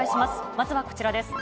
まずはこちらです。